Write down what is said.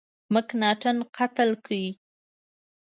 مکناټن قتل کړ.